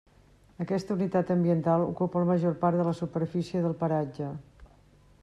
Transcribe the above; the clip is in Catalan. Aquesta unitat ambiental ocupa la major part de la superfície del paratge.